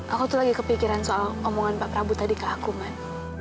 aku tuh lagi kepikiran soal omongan pak prabu tadi ke aku kan